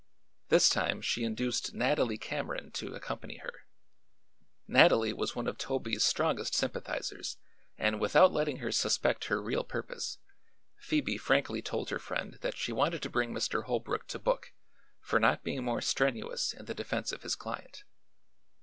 This time she induced Nathalie Cameron to accompany her. Nathalie was one of Toby's strongest sympathizers and without letting her suspect her real purpose Phoebe frankly told her friend that she wanted to bring Mr. Holbrook to book for not being more strenuous in the defense of his client.